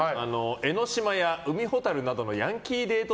江の島や海ほたるなどのヤンキーデート